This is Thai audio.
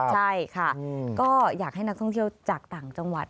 ใช่ค่ะก็อยากให้นักท่องเที่ยวจากต่างจังหวัด